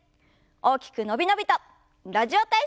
大きく伸び伸びと「ラジオ体操第２」です。